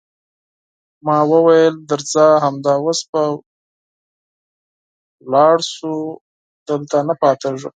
ما وویل: درځه، همدا اوس به ولاړ شو، دلته نه پاتېږو.